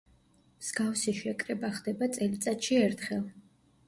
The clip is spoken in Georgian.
მსგავსი შეკრება ხდება წელიწადში ერთხელ.